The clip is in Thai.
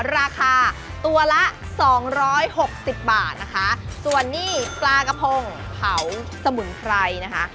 ราคาตัวละสองร้อยหกสิบบาทนะคะส่วนนี้ปลากระพงเผาสมุนไพรนะคะ